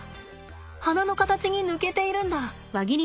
花の形に抜けているんだ。